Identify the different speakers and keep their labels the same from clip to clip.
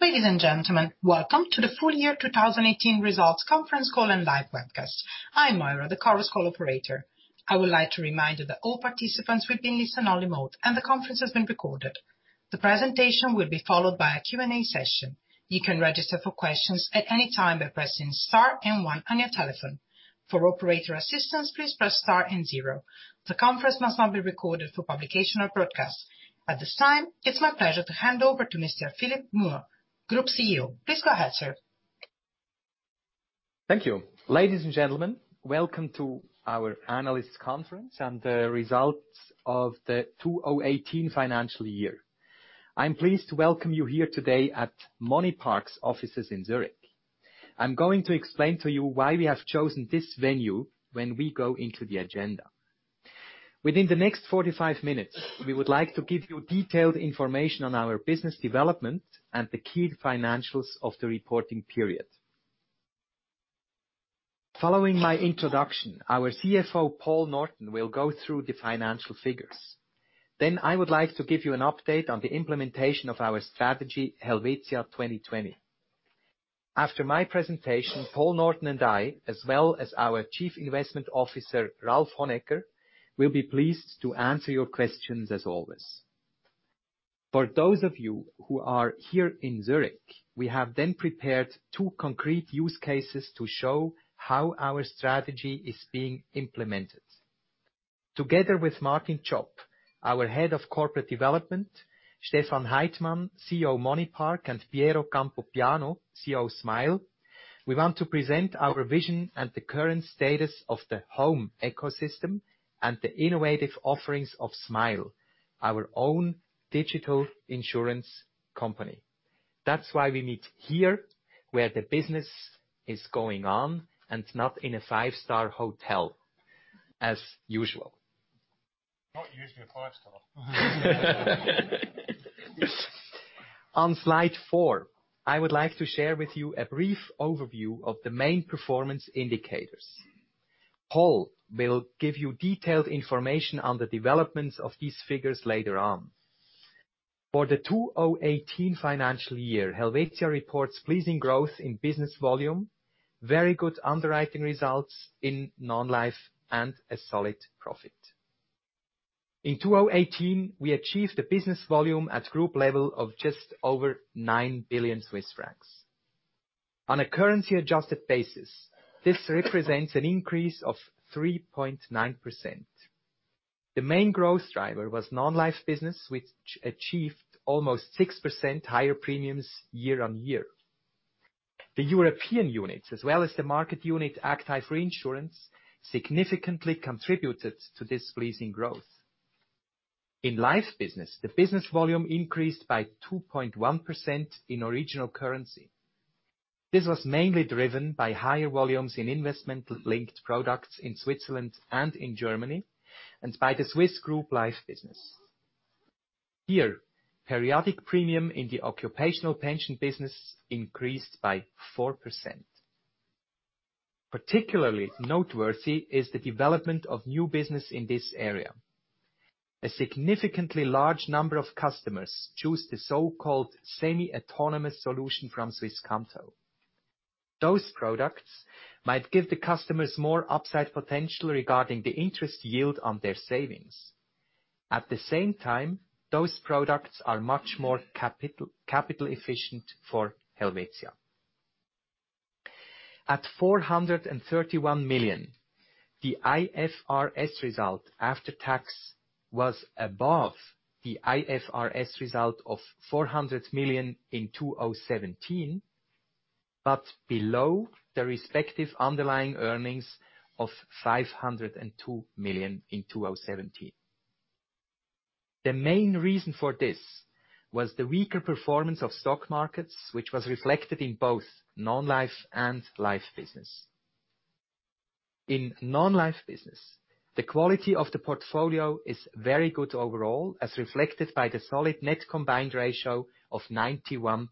Speaker 1: Ladies and gentlemen, welcome to the full year 2018 results conference call and live webcast. I'm Moira, the conference call operator. I would like to remind you that all participants will be in listen-only mode, and the conference is being recorded. The presentation will be followed by a Q&A session. You can register for questions at any time by pressing Star and One on your telephone. For operator assistance, please press Star and Zero. The conference must not be recorded for publication or broadcast. At this time, it's my pleasure to hand over to Mr. Philipp Gmür, Group CEO. Please go ahead, sir.
Speaker 2: Thank you. Ladies and gentlemen, welcome to our analyst conference and the results of the 2018 financial year. I'm pleased to welcome you here today at MoneyPark's offices in Zurich. I'm going to explain to you why we have chosen this venue when we go into the agenda. Within the next 45 minutes, we would like to give you detailed information on our business development and the key financials of the reporting period. Following my introduction, our CFO, Paul Norton, will go through the financial figures. I would like to give you an update on the implementation of our strategy, helvetia 20.20. After my presentation, Paul Norton and I, as well as our Chief Investment Officer, Ralph Honegger, will be pleased to answer your questions as always. For those of you who are here in Zurich, we have then prepared two concrete use cases to show how our strategy is being implemented. Together with Martin Tschopp, our Head of Corporate Development, Stefan Heitmann, CEO MoneyPark, and Pierangelo Campopiano, CEO Smile, we want to present our vision and the current status of the home ecosystem and the innovative offerings of Smile, our own digital insurance company. That's why we meet here where the business is going on and not in a five-star hotel as usual.
Speaker 3: Not usually a five-star.
Speaker 2: On slide four, I would like to share with you a brief overview of the main performance indicators. Paul will give you detailed information on the developments of these figures later on. For the 2018 financial year, Helvetia reports pleasing growth in business volume, very good underwriting results in non-life, and a solid profit. In 2018, we achieved a business volume at group level of just over 9 billion Swiss francs. On a currency-adjusted basis, this represents an increase of 3.9%. The main growth driver was non-life business, which achieved almost 6% higher premiums year on year. The European units, as well as the market unit active reinsurance, significantly contributed to this pleasing growth. In life business, the business volume increased by 2.1% in original currency. This was mainly driven by higher volumes in investment-linked products in Switzerland and in Germany, and by the Swiss group life business. Here, periodic premium in the occupational pension business increased by 4%. Particularly noteworthy is the development of new business in this area. A significantly large number of customers choose the so-called semi-autonomous solution from Swisscanto. Those products might give the customers more upside potential regarding the interest yield on their savings. At the same time, those products are much more capital efficient for Helvetia. At 431 million, the IFRS result after tax was above the IFRS result of 400 million in 2017, but below the respective underlying earnings of 502 million in 2017. The main reason for this was the weaker performance of stock markets, which was reflected in both non-life and life business. In non-life business, the quality of the portfolio is very good overall, as reflected by the solid net combined ratio of 91%.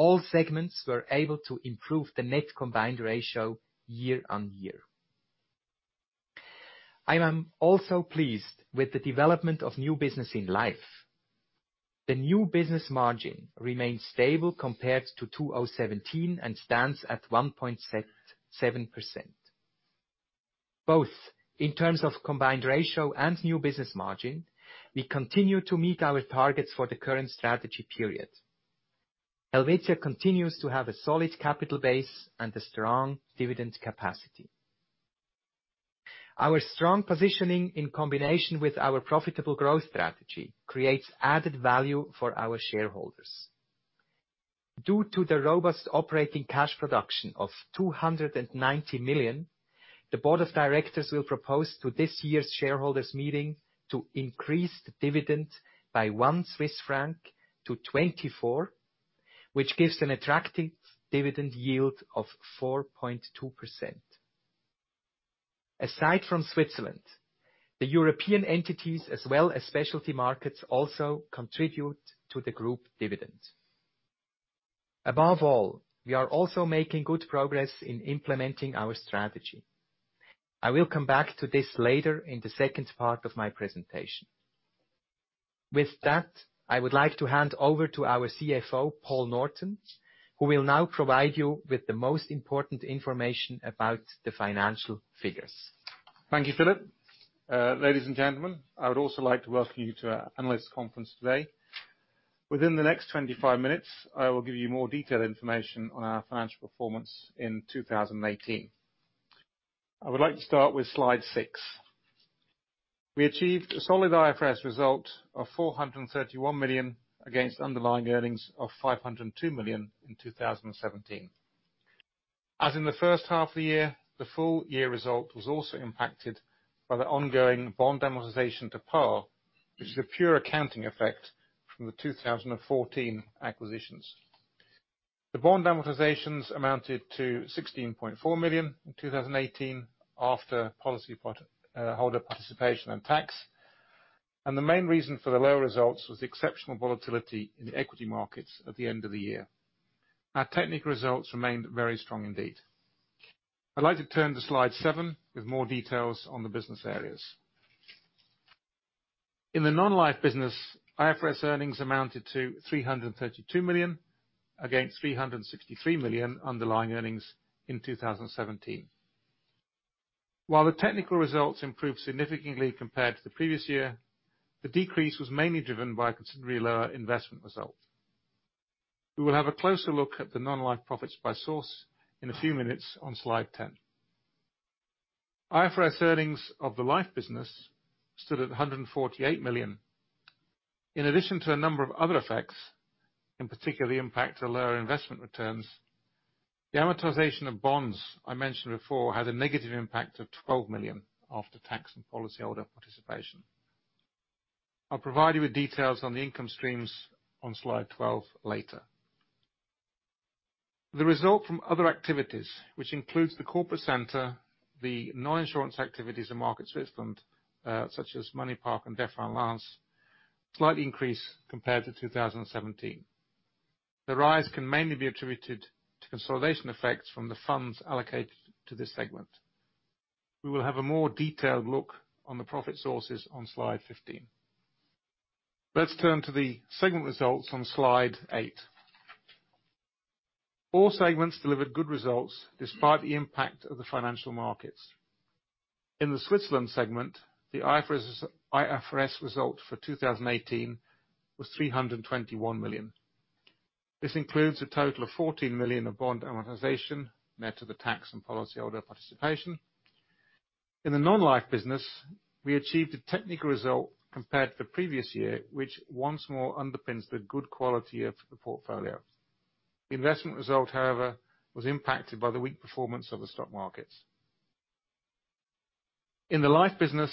Speaker 2: All segments were able to improve the net combined ratio year on year. I am also pleased with the development of new business in life. The new business margin remains stable compared to 2017 and stands at 1.7%. Both in terms of combined ratio and new business margin, we continue to meet our targets for the current strategy period. Helvetia continues to have a solid capital base and a strong dividend capacity. Our strong positioning in combination with our profitable growth strategy creates added value for our shareholders. Due to the robust operating cash production of 290 million, the board of directors will propose to this year's shareholders meeting to increase the dividend by one CHF to 24, which gives an attractive dividend yield of 4.2%. Aside from Switzerland, the European entities as well as specialty markets also contribute to the group dividend. Above all, we are also making good progress in implementing our strategy. I will come back to this later in the second part of my presentation. With that, I would like to hand over to our CFO, Paul Norton, who will now provide you with the most important information about the financial figures.
Speaker 3: Thank you, Philipp. Ladies and gentlemen, I would also like to welcome you to our analyst conference today. Within the next 25 minutes, I will give you more detailed information on our financial performance in 2018. I would like to start with slide six. We achieved a solid IFRS result of 431 million against underlying earnings of 502 million in 2017. As in the first half of the year, the full year result was also impacted by the ongoing bond amortization to par, which is a pure accounting effect from the 2014 acquisitions. The bond amortizations amounted to 16.4 million in 2018 after policyholder participation and tax. The main reason for the lower results was the exceptional volatility in the equity markets at the end of the year. Our technical results remained very strong indeed. I'd like to turn to slide seven with more details on the business areas. In the non-life business, IFRS earnings amounted to 332 million against 363 million underlying earnings in 2017. While the technical results improved significantly compared to the previous year, the decrease was mainly driven by considerably lower investment result. We will have a closer look at the non-life profits by source in a few minutes on slide 10. IFRS earnings of the life business stood at 148 million. In addition to a number of other effects, in particular the impact of lower investment returns, the amortization of bonds I mentioned before had a negative impact of 12 million after tax and policyholder participation. I'll provide you with details on the income streams on slide 12 later. The result from other activities, which includes the corporate center, the non-insurance activities in Market Switzerland, such as MoneyPark and Defferrard & Lanz, slightly increased compared to 2017. The rise can mainly be attributed to consolidation effects from the funds allocated to this segment. We will have a more detailed look on the profit sources on slide 15. Let's turn to the segment results on slide eight. All segments delivered good results despite the impact of the financial markets. In the Switzerland segment, the IFRS result for 2018 was 321 million. This includes a total of 14 million of bond amortization, net of the tax and policyholder participation. In the non-life business, we achieved a technical result compared to the previous year, which once more underpins the good quality of the portfolio. Investment result, however, was impacted by the weak performance of the stock markets. In the life business,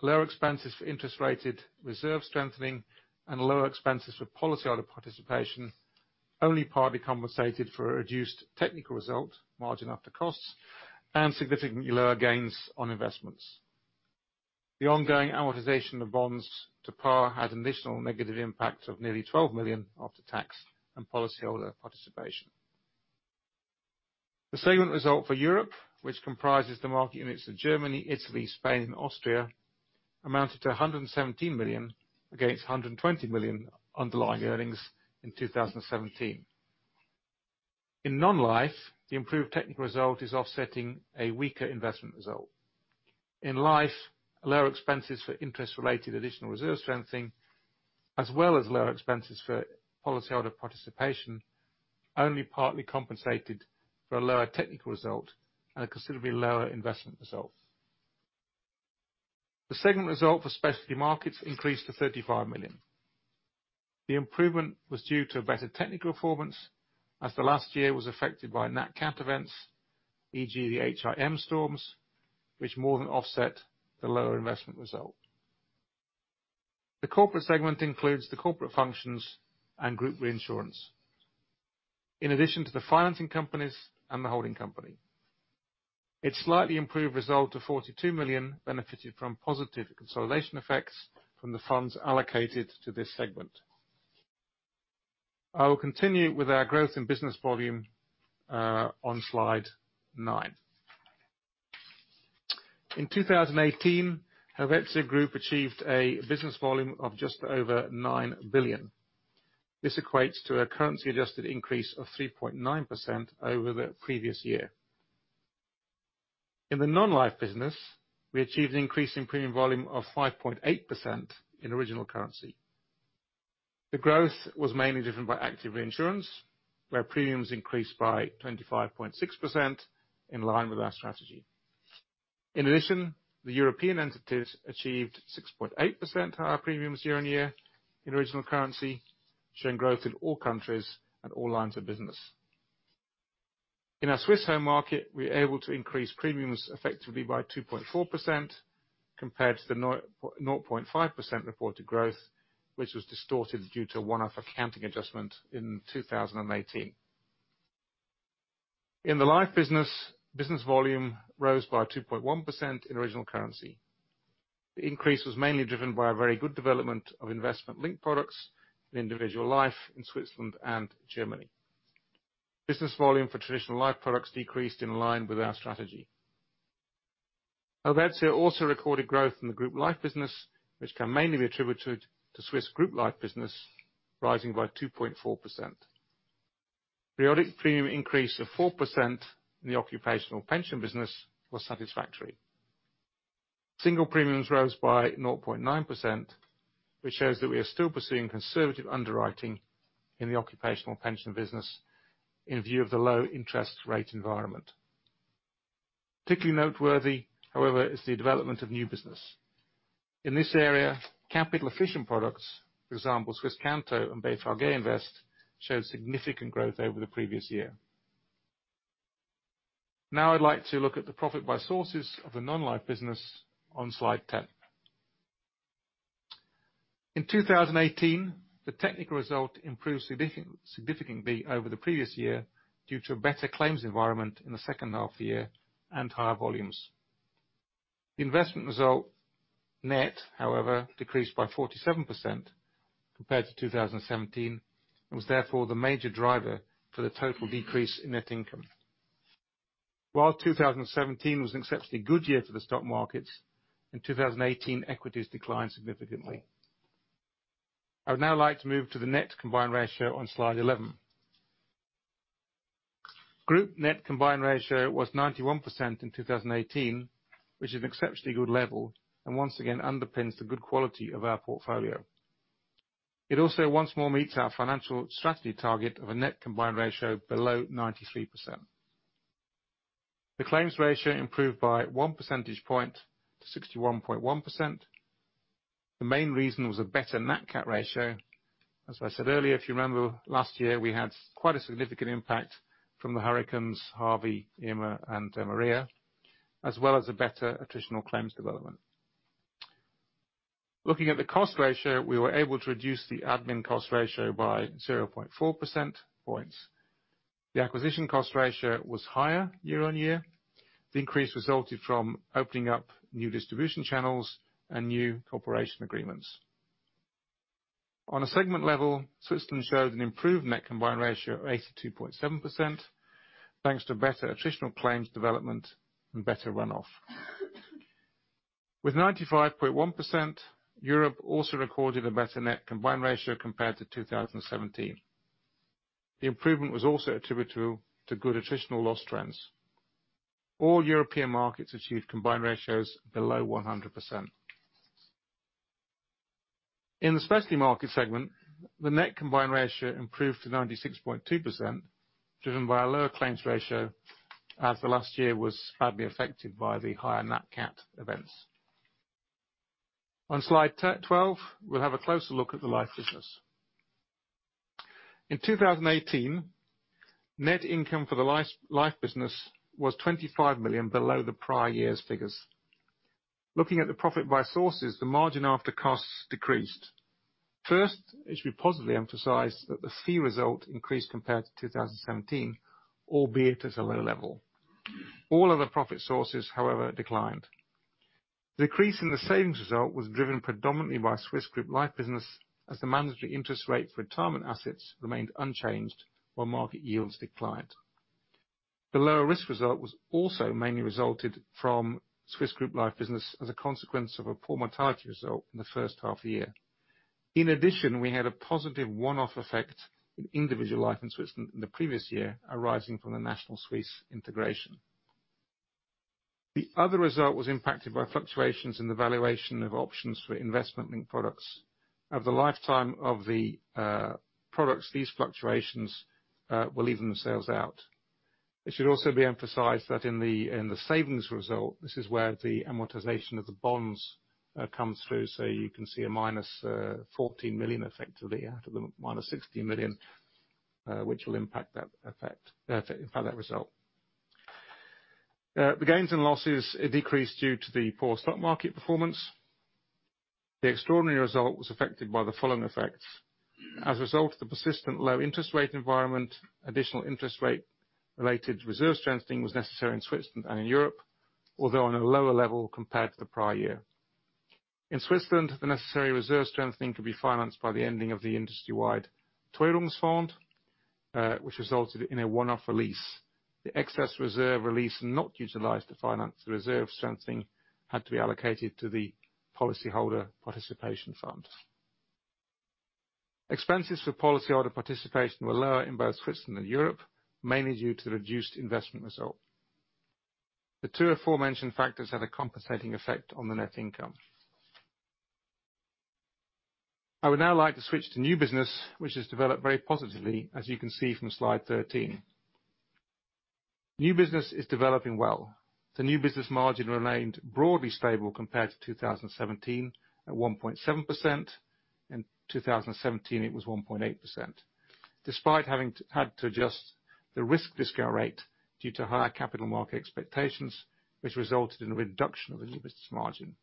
Speaker 3: lower expenses for interest-rated reserve strengthening and lower expenses for policyholder participation only partly compensated for a reduced technical result margin after costs and significantly lower gains on investments. The ongoing amortization of bonds to par had additional negative impact of nearly 12 million after tax and policyholder participation. The segment result for Europe, which comprises the market units of Germany, Italy, Spain, and Austria, amounted to 117 million against 120 million underlying earnings in 2017. In non-life, the improved technical result is offsetting a weaker investment result. In life, lower expenses for interest-related additional reserve strengthening, as well as lower expenses for policyholder participation, only partly compensated for a lower technical result and a considerably lower investment result. The segment result for specialty markets increased to 35 million. The improvement was due to a better technical performance as the last year was affected by nat cat events, e.g., the HIM storms, which more than offset the lower investment result. The corporate segment includes the corporate functions and group reinsurance, in addition to the financing companies and the holding company. Its slightly improved result of 42 million benefited from positive consolidation effects from the funds allocated to this segment. I will continue with our growth in business volume on slide nine. In 2018, Helvetia Group achieved a business volume of just over 9 billion. This equates to a currency adjusted increase of 3.9% over the previous year. In the non-life business, we achieved an increase in premium volume of 5.8% in original currency. The growth was mainly driven by active reinsurance, where premiums increased by 25.6% in line with our strategy. The European entities achieved 6.8% higher premiums year-over-year in original currency, showing growth in all countries and all lines of business. In our Swiss home market, we are able to increase premiums effectively by 2.4% compared to the 0.5% reported growth, which was distorted due to a one-off accounting adjustment in 2018. In the life business volume rose by 2.1% in original currency. The increase was mainly driven by a very good development of investment-linked products in individual life in Switzerland and Germany. Business volume for traditional life products decreased in line with our strategy. Helvetia also recorded growth in the group life business, which can mainly be attributed to Swiss group life business rising by 2.4%. Periodic premium increase of 4% in the occupational pension business was satisfactory. Single premiums rose by 0.9%, which shows that we are still pursuing conservative underwriting in the occupational pension business in view of the low interest rate environment. Particularly noteworthy, however, is the development of new business. In this area, capital-efficient products, for example, Swisscanto and Beiträge Invest, showed significant growth over the previous year. Now I'd like to look at the profit by sources of the non-life business on slide 10. In 2018, the technical result improved significantly over the previous year due to a better claims environment in the second half of the year and higher volumes. The investment result net, however, decreased by 47% compared to 2017, and was therefore the major driver for the total decrease in net income. While 2017 was an exceptionally good year for the stock markets, in 2018, equities declined significantly. I would now like to move to the net combined ratio on slide 11. Group net combined ratio was 91% in 2018, which is an exceptionally good level, and once again underpins the good quality of our portfolio. It also once more meets our financial strategy target of a net combined ratio below 93%. The claims ratio improved by one percentage point to 61.1%. The main reason was a better nat cat ratio. As I said earlier, if you remember last year, we had quite a significant impact from the hurricanes Harvey, Irma, and Maria, as well as a better attritional claims development. Looking at the cost ratio, we were able to reduce the admin cost ratio by 0.4 percentage points. The acquisition cost ratio was higher year-over-year. The increase resulted from opening up new distribution channels and new cooperation agreements. On a segment level, Switzerland showed an improved net combined ratio of 82.7%, thanks to better attritional claims development and better runoff. With 95.1%, Europe also recorded a better net combined ratio compared to 2017. The improvement was also attributable to good attritional loss trends. All European markets achieved combined ratios below 100%. In the specialty market segment, the net combined ratio improved to 96.2%, driven by a lower claims ratio as the last year was badly affected by the higher nat cat events. On slide 12, we'll have a closer look at the life business. In 2018, net income for the life business was 25 million below the prior year's figures. Looking at the profit by sources, the margin after costs decreased. It should be positively emphasized that the fee result increased compared to 2017, albeit at a low level. All other profit sources, however, declined. The decrease in the savings result was driven predominantly by Swiss group life business, as the mandatory interest rate for retirement assets remained unchanged while market yields declined. The lower risk result was also mainly resulted from Swiss group life business as a consequence of a poor mortality result in the first half of the year. In addition, we had a positive one-off effect in individual life in Switzerland in the previous year, arising from the Nationale Suisse integration. The other result was impacted by fluctuations in the valuation of options for investment-linked products. Over the lifetime of the products, these fluctuations will even themselves out. It should also be emphasized that in the savings result, this is where the amortization of the bonds comes through. You can see a -14 million effectively out of the -16 million, which will impact that result. The gains and losses decreased due to the poor stock market performance. The extraordinary result was affected by the following effects. As a result of the persistent low interest rate environment, additional interest rate-related reserve strengthening was necessary in Switzerland and in Europe, although on a lower level compared to the prior year. In Switzerland, the necessary reserve strengthening could be financed by the ending of the industry-wide, which resulted in a one-off release. The excess reserve release not utilized to finance the reserve strengthening had to be allocated to the policyholder participation fund. Expenses for policyholder participation were lower in both Switzerland and Europe, mainly due to the reduced investment result. The two aforementioned factors had a compensating effect on the net income. I would now like to switch to new business, which has developed very positively, as you can see from slide 13. New business is developing well. The new business margin remained broadly stable compared to 2017 at 1.7%. In 2017, it was 1.8%. Despite having had to adjust the risk discount rate due to higher capital market expectations, which resulted in a reduction of the new business margin.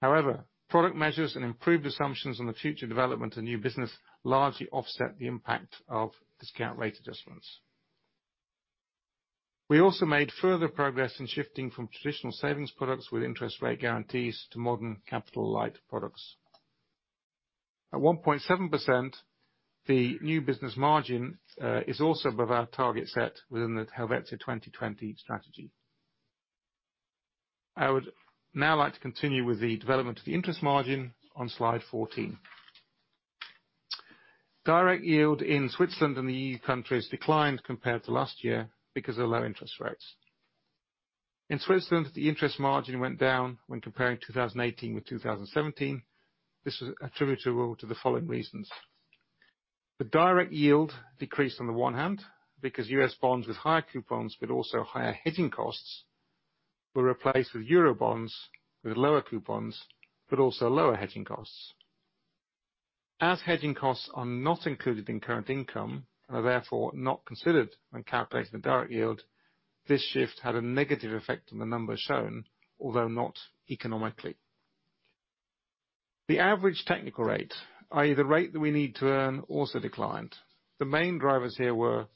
Speaker 3: Product measures and improved assumptions on the future development of new business largely offset the impact of discount rate adjustments. We also made further progress in shifting from traditional savings products with interest rate guarantees to modern capital-light products. At 1.7%, the new business margin is also above our target set within the helvetia 20.20 strategy. I would now like to continue with the development of the interest margin on slide 14. Direct yield in Switzerland and the EU countries declined compared to last year because of low interest rates. In Switzerland, the interest margin went down when comparing 2018 with 2017. This was attributable to the following reasons. The direct yield decreased on the one hand, because U.S. bonds with higher coupons, but also higher hedging costs, were replaced with EUR bonds with lower coupons, but also lower hedging costs. As hedging costs are not included in current income, and are therefore not considered when calculating the direct yield, this shift had a negative effect on the numbers shown, although not economically. The average technical rate, i.e. the rate that we need to earn, also declined. The main drivers here were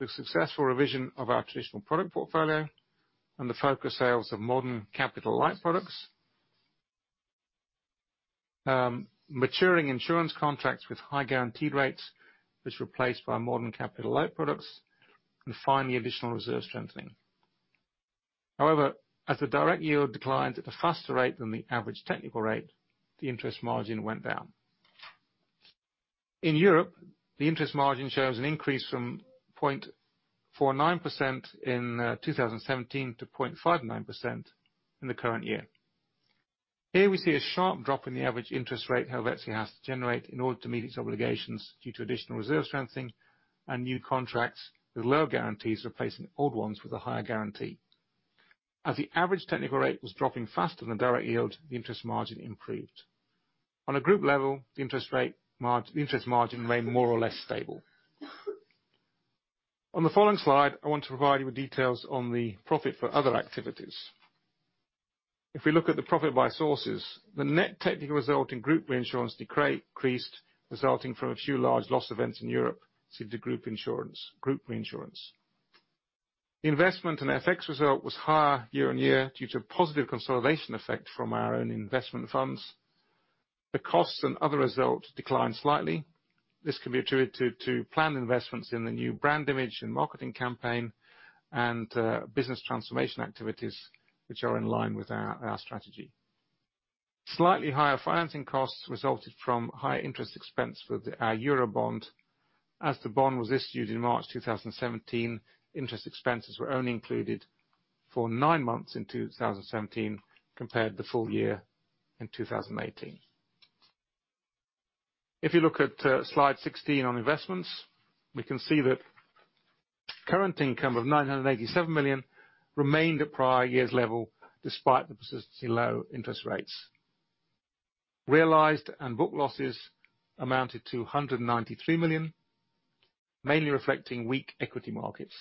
Speaker 3: the successful revision of our traditional product portfolio and the focused sales of modern capital-light products. Maturing insurance contracts with high guaranteed rates was replaced by modern capital-light products. Finally, additional reserve strengthening. However, as the direct yield declines at a faster rate than the average technical rate, the interest margin went down. In Europe, the interest margin shows an increase from 0.49% in 2017 to 0.59% in the current year. Here we see a sharp drop in the average interest rate Helvetia has to generate in order to meet its obligations due to additional reserve strengthening and new contracts with lower guarantees replacing old ones with a higher guarantee. As the average technical rate was dropping faster than direct yield, the interest margin improved. On a group level, the interest margin remained more or less stable. On the following slide, I want to provide you with details on the profit for other activities. If we look at the profit by sources, the net technical result in group reinsurance decreased, resulting from a few large loss events in Europe, since the group reinsurance. Investment and FX result was higher year-on-year, due to positive consolidation effect from our own investment funds. The costs and other results declined slightly. This can be attributed to planned investments in the new brand image and marketing campaign and business transformation activities, which are in line with our strategy. Slightly higher financing costs resulted from higher interest expense with our EUR bond. As the bond was issued in March 2017, interest expenses were only included for nine months in 2017, compared to full year in 2018. If you look at slide 16 on investments, we can see that current income of 987 million remained at prior year's level, despite the persistently low interest rates. Realized and book losses amounted to 193 million, mainly reflecting weak equity markets.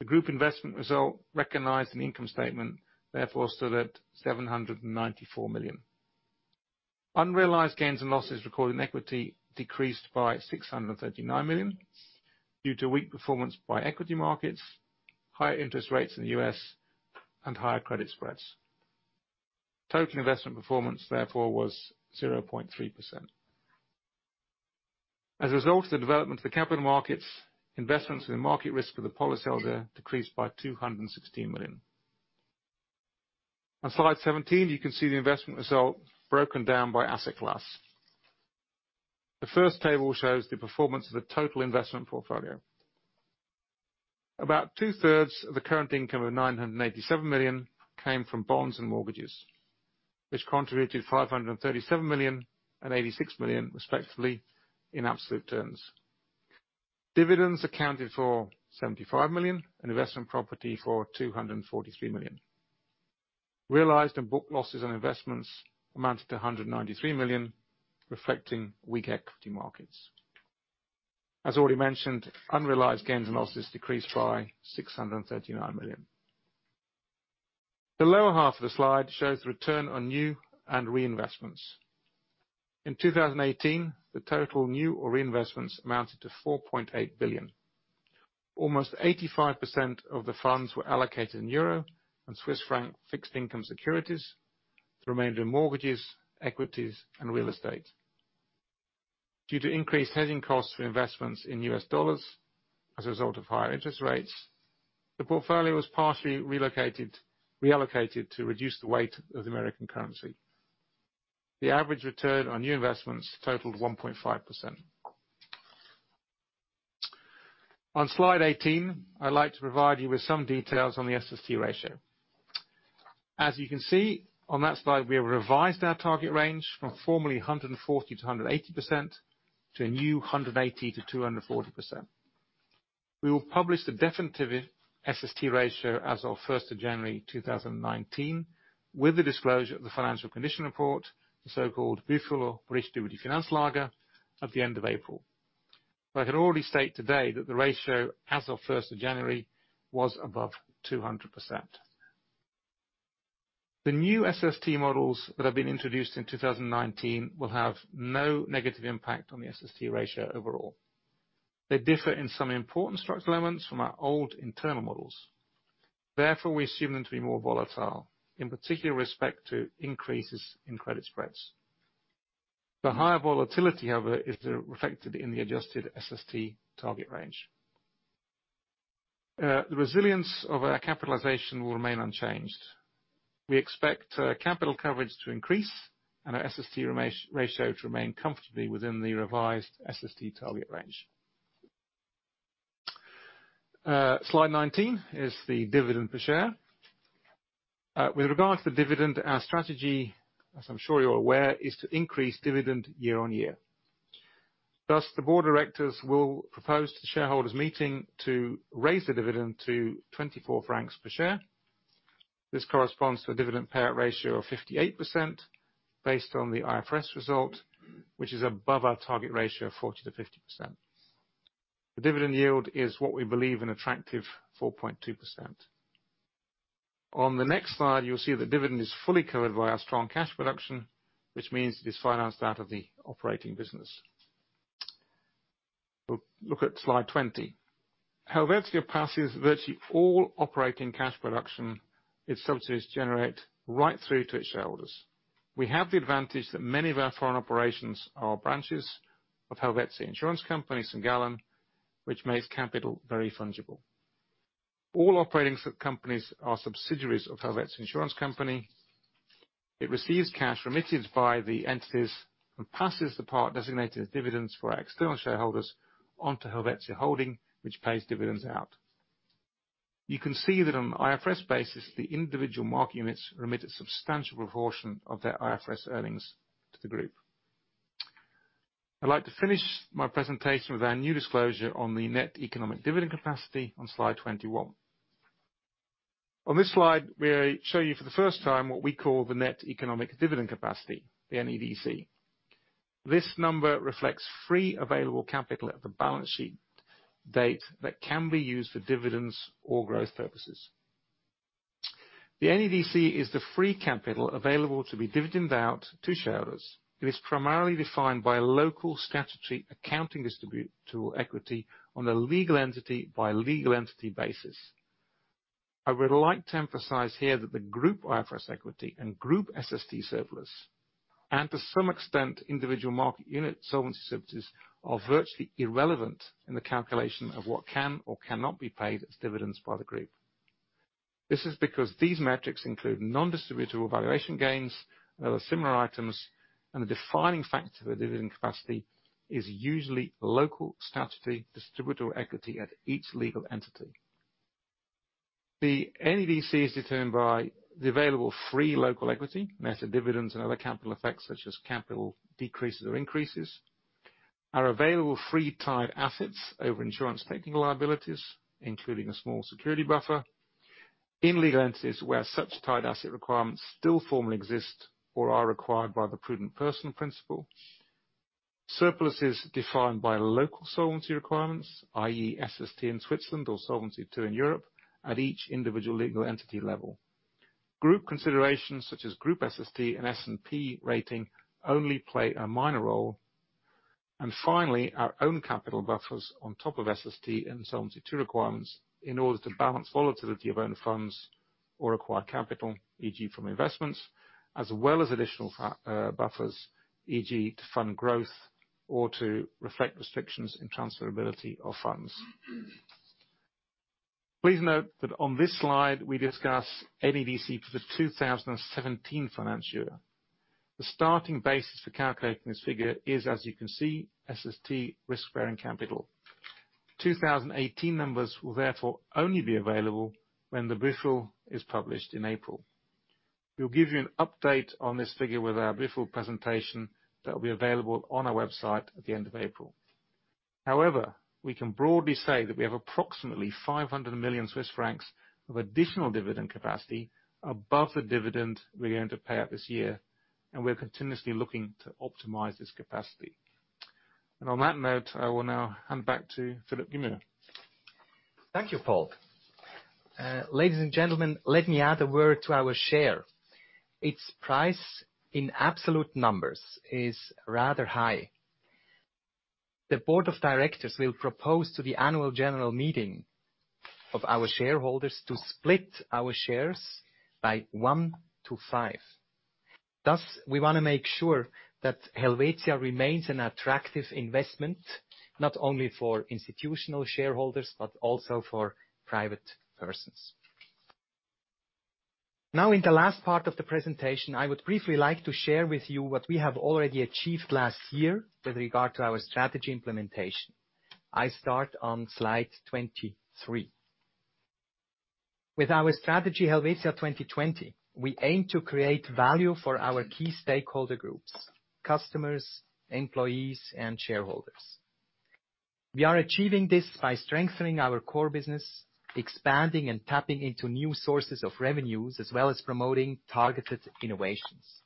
Speaker 3: The group investment result recognized in the income statement therefore stood at 794 million. Unrealized gains and losses recorded in equity decreased by 639 million due to weak performance by equity markets, higher interest rates in the U.S., and higher credit spreads. Total investment performance therefore was 0.3%. As a result of the development of the capital markets, investments and market risk for the policyholder decreased by 216 million. On slide 17, you can see the investment result broken down by asset class. The first table shows the performance of the total investment portfolio. About two-thirds of the current income of 987 million came from bonds and mortgages, which contributed 537 million and 86 million respectively in absolute terms. Dividends accounted for 75 million and investment property for 243 million. Realized and book losses on investments amounted to 193 million, reflecting weak equity markets. As already mentioned, unrealized gains and losses decreased by 639 million. The lower half of the slide shows the return on new and reinvestments. In 2018, the total new or reinvestments amounted to 4.8 billion. Almost 85% of the funds were allocated in EUR and Swiss franc fixed income securities. The remainder in mortgages, equities, and real estate. Due to increased hedging costs for investments in USD as a result of higher interest rates, the portfolio was partially reallocated to reduce the weight of the American currency. The average return on new investments totaled 1.5%. On slide 18, I'd like to provide you with some details on the SST ratio. As you can see on that slide, we have revised our target range from formerly 140%-180%, to a new 180%-240%. We will publish the definitive SST ratio as of 1st of January 2019, with the disclosure of the financial condition report, the so-called ‹Bericht über die Finanzlage› at the end of April. I can already state today that the ratio as of 1st of January was above 200%. The new SST models that have been introduced in 2019 will have no negative impact on the SST ratio overall. They differ in some important structural elements from our old internal models. Therefore, we assume them to be more volatile, in particular respect to increases in credit spreads. The higher volatility, however, is reflected in the adjusted SST target range. The resilience of our capitalization will remain unchanged. We expect capital coverage to increase and our SST ratio to remain comfortably within the revised SST target range. Slide 19 is the dividend per share. With regards to dividend, our strategy, as I'm sure you're aware, is to increase dividend year-on-year. Thus, the board of directors will propose to the shareholders meeting to raise the dividend to 24 francs per share. This corresponds to a dividend payout ratio of 58% based on the IFRS result, which is above our target ratio of 40%-50%. The dividend yield is what we believe an attractive 4.2%. On the next slide, you'll see the dividend is fully covered by our strong cash production, which means it is financed out of the operating business. We'll look at slide 20. Helvetia passes virtually all operating cash production its subsidiaries generate right through to its shareholders. We have the advantage that many of our foreign operations are branches of Helvetia Insurance Company St. Gallen, which makes capital very fungible. All operating subcompanies are subsidiaries of Helvetia Insurance Company. It receives cash remitted by the entities and passes the part designated as dividends for our external shareholders onto Helvetia Holding, which pays dividends out. You can see that on an IFRS basis, the individual market units remit a substantial proportion of their IFRS earnings to the group. I'd like to finish my presentation with our new disclosure on the net economic dividend capacity on Slide 21. On this slide, we show you for the first time what we call the net economic dividend capacity, the NEDC. This number reflects free available capital at the balance sheet date that can be used for dividends or growth purposes. The NEDC is the free capital available to be dividend out to shareholders. It is primarily defined by local statutory accounting distributable equity on a legal entity by legal entity basis. I would like to emphasize here that the group IFRS equity and group SST surplus, and to some extent, individual market unit solvency surpluses, are virtually irrelevant in the calculation of what can or cannot be paid as dividends by the group. This is because these metrics include non-distributable valuation gains and other similar items, and the defining factor of the dividend capacity is usually local statutory distributable equity at each legal entity. The NEDC is determined by the available free local equity, net of dividends and other capital effects, such as capital decreases or increases. Our available free tied assets over insurance technical liabilities, including a small security buffer in legal entities where such tied asset requirements still formally exist or are required by the prudent person principle. Surplus is defined by local solvency requirements, i.e., SST in Switzerland or Solvency II in Europe at each individual legal entity level. Group considerations such as group SST and S&P rating only play a minor role. Finally, our own capital buffers on top of SST and Solvency II requirements in order to balance volatility of own funds or acquire capital, e.g., from investments, as well as additional buffers, e.g., to fund growth or to reflect restrictions in transferability of funds. Please note that on this slide we discuss NEDC for the 2017 financial year. The starting basis for calculating this figure is, as you can see, SST risk-bearing capital. 2018 numbers will therefore only be available when the briefing is published in April. We will give you an update on this figure with our briefing presentation that will be available on our website at the end of April. However, we can broadly say that we have approximately 500 million Swiss francs of additional dividend capacity above the dividend we are going to pay out this year, and we are continuously looking to optimize this capacity. On that note, I will now hand back to Philipp Gmür.
Speaker 2: Thank you, Paul. Ladies and gentlemen, let me add a word to our share. Its price in absolute numbers is rather high. The board of directors will propose to the annual general meeting of our shareholders to split our shares by one to five. Thus, we want to make sure that Helvetia remains an attractive investment, not only for institutional shareholders, but also for private persons. Now, in the last part of the presentation, I would briefly like to share with you what we have already achieved last year with regard to our strategy implementation. I start on slide 23. With our strategy helvetia 20.20, we aim to create value for our key stakeholder groups: customers, employees, and shareholders. We are achieving this by strengthening our core business, expanding and tapping into new sources of revenues, as well as promoting targeted innovations.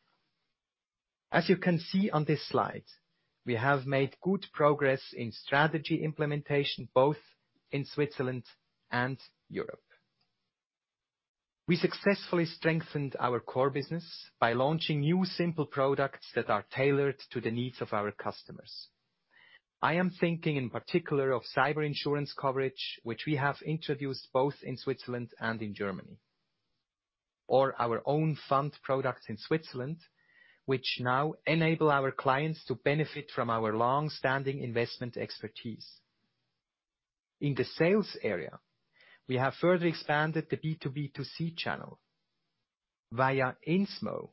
Speaker 2: As you can see on this slide, we have made good progress in strategy implementation, both in Switzerland and Europe. We successfully strengthened our core business by launching new simple products that are tailored to the needs of our customers. I am thinking in particular of cyber insurance coverage, which we have introduced both in Switzerland and in Germany. Or our own fund products in Switzerland, which now enable our clients to benefit from our longstanding investment expertise. In the sales area, we have further expanded the B2B2C channel. Via InsureMO,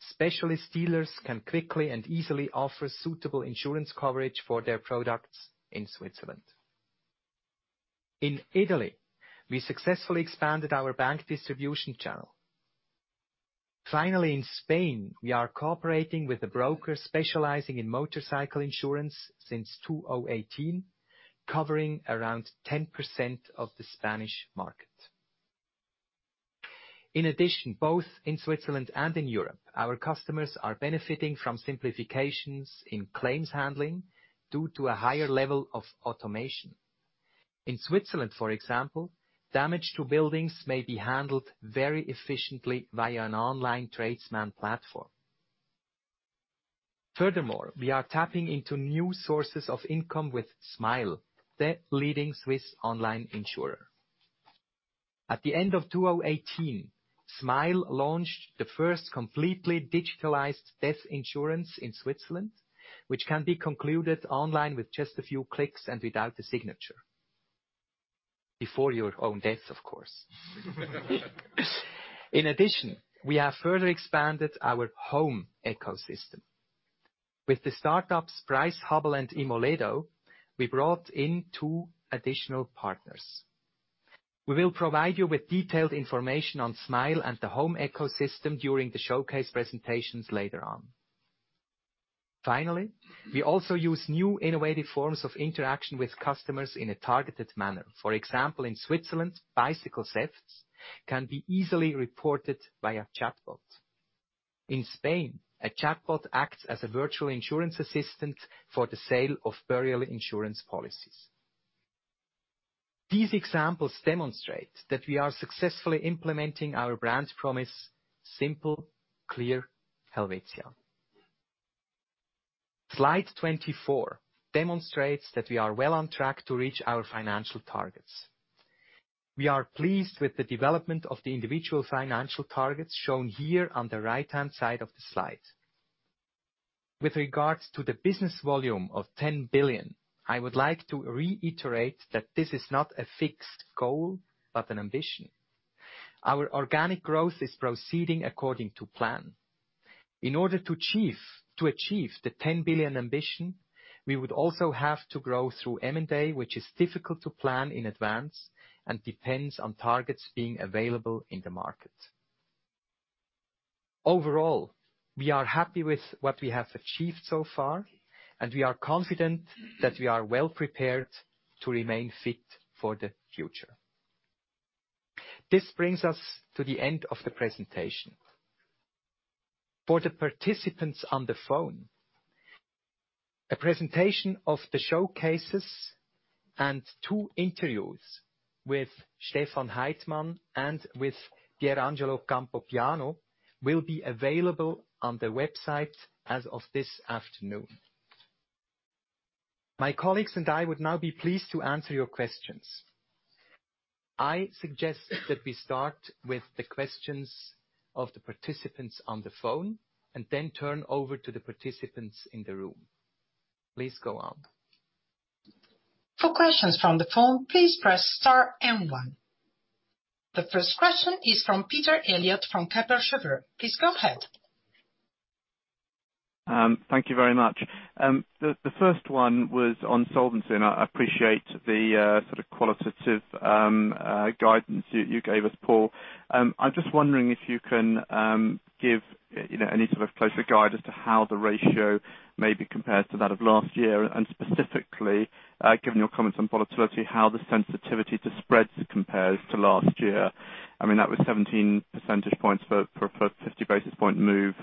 Speaker 2: specialist dealers can quickly and easily offer suitable insurance coverage for their products in Switzerland. In Italy, we successfully expanded our bank distribution channel. Finally, in Spain, we are cooperating with a broker specializing in motorcycle insurance since 2018, covering around 10% of the Spanish market. In addition, both in Switzerland and in Europe, our customers are benefiting from simplifications in claims handling due to a higher level of automation. In Switzerland, for example, damage to buildings may be handled very efficiently via an online tradesman platform. Furthermore, we are tapping into new sources of income with Smile, the leading Swiss online insurer. At the end of 2018, Smile launched the first completely digitalized death insurance in Switzerland, which can be concluded online with just a few clicks and without a signature. Before your own death, of course. In addition, we have further expanded our home ecosystem. With the startups PriceHubble and Immoledo, we brought in two additional partners. We will provide you with detailed information on Smile and the home ecosystem during the showcase presentations later on. Finally, we also use new innovative forms of interaction with customers in a targeted manner. For example, in Switzerland, bicycle thefts can be easily reported by a chatbot. In Spain, a chatbot acts as a virtual insurance assistant for the sale of burial insurance policies. These examples demonstrate that we are successfully implementing our brand promise: simple, clear Helvetia. Slide 24 demonstrates that we are well on track to reach our financial targets. We are pleased with the development of the individual financial targets shown here on the right-hand side of the slide. With regards to the business volume of 10 billion, I would like to reiterate that this is not a fixed goal but an ambition. Our organic growth is proceeding according to plan. In order to achieve the 10 billion ambition, we would also have to grow through M&A, which is difficult to plan in advance and depends on targets being available in the market. Overall, we are happy with what we have achieved so far, and we are confident that we are well prepared to remain fit for the future. This brings us to the end of the presentation. For the participants on the phone, a presentation of the showcases and two interviews with Stefan Heitmann and with Pierangelo Campopiano will be available on the website as of this afternoon. My colleagues and I would now be pleased to answer your questions. I suggest that we start with the questions of the participants on the phone and then turn over to the participants in the room. Please go on.
Speaker 1: For questions from the phone, please press star and one. The first question is from Peter Elliott from Kepler Cheuvreux. Please go ahead.
Speaker 4: Thank you very much. The first one was on solvency. I appreciate the sort of qualitative guidance you gave us, Paul. I am just wondering if you can give any sort of closer guide as to how the ratio may be compared to that of last year. Specifically, given your comments on volatility, how the sensitivity to spreads compares to last year. I mean, that was 17 percentage points for a 50 basis point move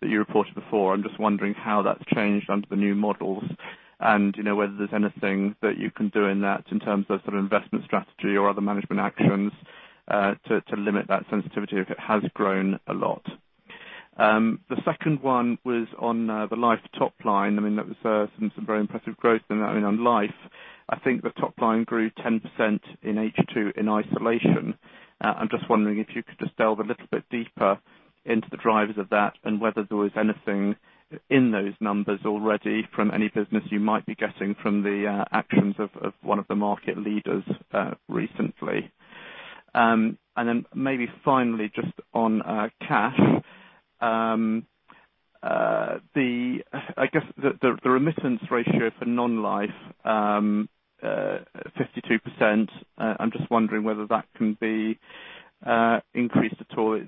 Speaker 4: that you reported before. I am just wondering how that has changed under the new models and whether there is anything that you can do in that in terms of investment strategy or other management actions to limit that sensitivity if it has grown a lot. The second one was on the life top line. I mean, that was some very impressive growth in that. On life, I think the top line grew 10% in H2 in isolation. I am just wondering if you could just delve a little bit deeper into the drivers of that and whether there was anything in those numbers already from any business you might be getting from the actions of one of the market leaders recently. Then maybe finally, just on cash. I guess the remittance ratio for non-life, 52%, I am just wondering whether that can be increased at all.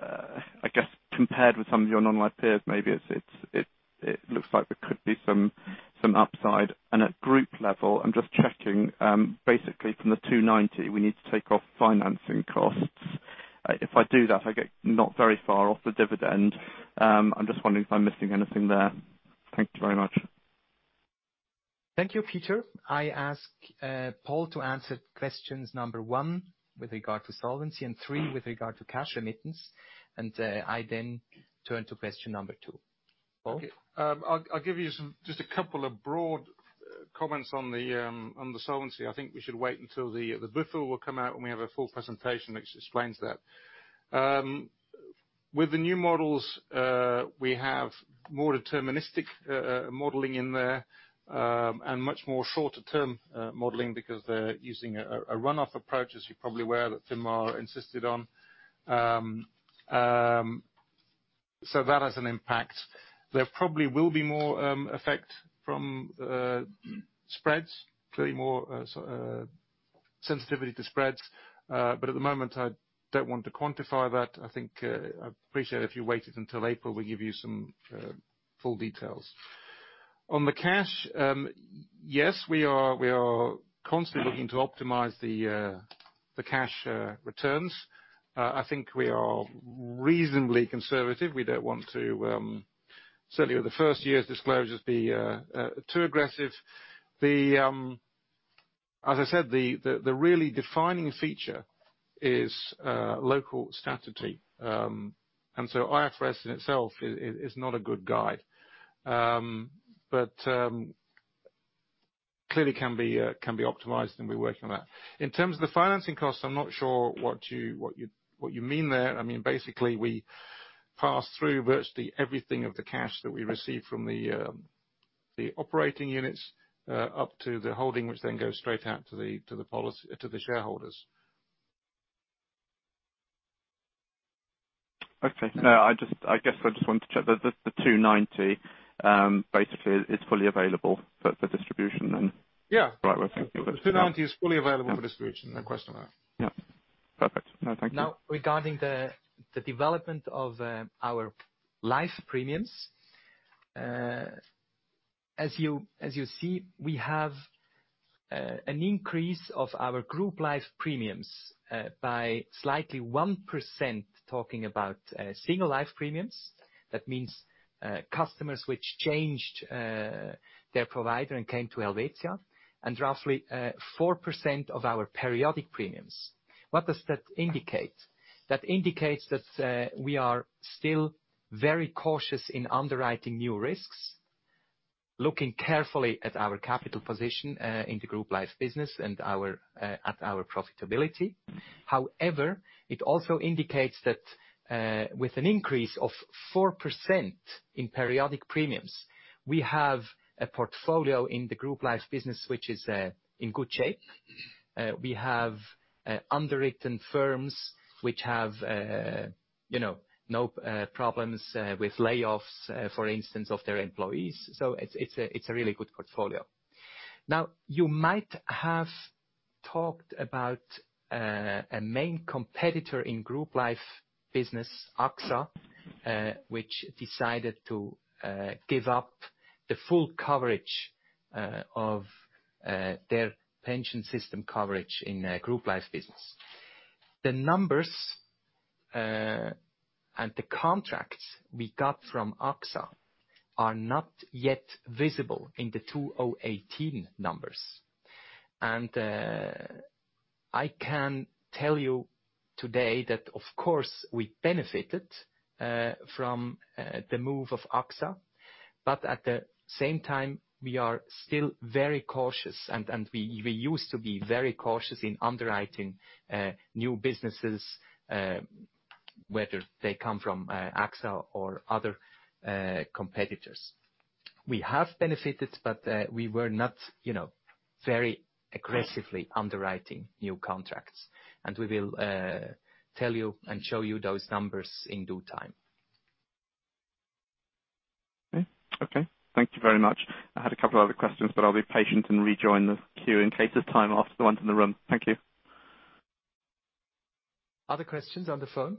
Speaker 4: I guess compared with some of your non-life peers, maybe it looks like there could be some upside. At group level, I am just checking, basically from the 290, we need to take off financing costs. If I do that, I get not very far off the dividend. I am just wondering if I am missing anything there. Thank you very much.
Speaker 2: Thank you, Peter. I ask Paul to answer questions number one with regard to solvency, and three with regard to cash remittance. I then turn to question number two. Paul?
Speaker 3: Okay. I'll give you just a couple of broad comments on the solvency. I think we should wait until the buffer will come out, and we have a full presentation which explains that. With the new models, we have more deterministic modeling in there, and much more shorter term modeling because they're using a runoff approach, as you're probably aware, that FINMA insisted on. That has an impact. There probably will be more effect from spreads. Clearly, more sensitivity to spreads. At the moment, I don't want to quantify that. I think I'd appreciate it if you waited until April. We'll give you some full details. On the cash, yes, we are constantly looking to optimize the cash returns. I think we are reasonably conservative. We don't want to, certainly with the first year's disclosures, be too aggressive. As I said, the really defining feature is local statutory. IFRS in itself is not a good guide. Clearly can be optimized, and we're working on that. In terms of the financing costs, I'm not sure what you mean there. Basically, we pass through virtually everything of the cash that we receive from the operating units, up to the holding, which then goes straight out to the shareholders.
Speaker 4: Okay. No, I guess I just wanted to check. The 290 basically is fully available for distribution then?
Speaker 3: Yeah.
Speaker 4: Right. Okay.
Speaker 3: The 290 is fully available for distribution. No question there.
Speaker 4: Yeah. Perfect. Thank you.
Speaker 2: Regarding the development of our life premiums. As you see, we have an increase of our group life premiums by slightly 1%, talking about single life premiums. That means customers which changed their provider and came to Helvetia, and roughly 4% of our periodic premiums. What does that indicate? That indicates that we are still very cautious in underwriting new risks, looking carefully at our capital position in the group life business and at our profitability. However, it also indicates that with an increase of 4% in periodic premiums, we have a portfolio in the group life business, which is in good shape. We have underwritten firms which have no problems with layoffs, for instance, of their employees. It's a really good portfolio. You might have talked about a main competitor in group life business, AXA, which decided to give up the full coverage of their pension system coverage in group life business. The numbers and the contracts we got from AXA are not yet visible in the 2018 numbers. I can tell you today that, of course, we benefited from the move of AXA. At the same time, we are still very cautious, and we used to be very cautious in underwriting new businesses, whether they come from AXA or other competitors. We have benefited, but we were not very aggressively underwriting new contracts. We will tell you and show you those numbers in due time.
Speaker 4: Okay. Thank you very much. I had a couple other questions. I'll be patient and rejoin the queue in case there's time after the ones in the room. Thank you.
Speaker 2: Other questions on the phone?